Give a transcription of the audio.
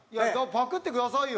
パクってくださいよ。